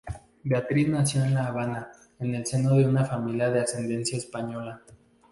Beatriz nació en La Habana en el seno de una familia de ascendencia española.